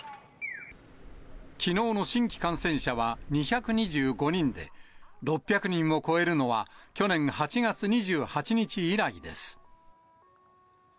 きのうの新規感染者は２２５人で、６００人を超えるのは、去年８月２８日以来です。